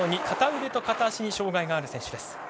ＬＷ９−２片腕と片足に障がいのある選手。